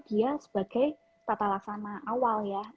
dia sebagai pata lasana